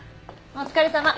お疲れさま。